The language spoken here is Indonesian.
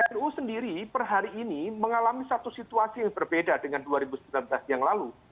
nu sendiri per hari ini mengalami satu situasi yang berbeda dengan dua ribu sembilan belas yang lalu